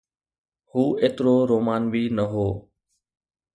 هو ايترو رومانوي نه هو.